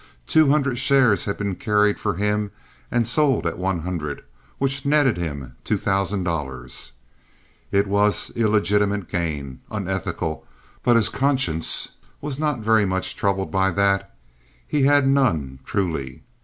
Two hundred shares had been carried for him and sold at one hundred, which netted him two thousand dollars. It was illegitimate gain, unethical; but his conscience was not very much troubled by that. He had none, truly.